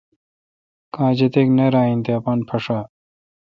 کاں جتک نییر این تے اپان پھݭا ۔